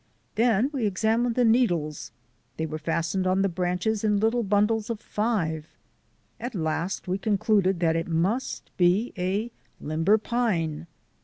Then we ex amined the needles; they were fastened on the branches in little bundles of five. At last we con cluded that it must be a limber pine.